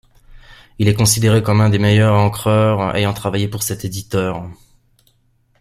Il est considéré comme un des meilleurs encreurs ayant travaillé pour cet éditeur.